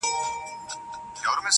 مات لاس د غاړي امېل دئ.